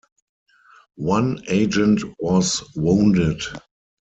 One agent was wounded.